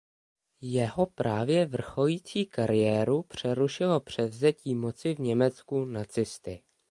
Jeho právě vrcholící kariéru přerušilo převzetí moci v Německu nacisty.